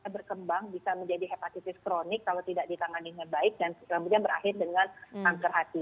berkembang bisa menjadi hepatitis kronik kalau tidak ditangani dengan baik dan kemudian berakhir dengan kanker hati